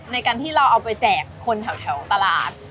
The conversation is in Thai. ในการที่เราเอาไปแจกคนแถวตลาด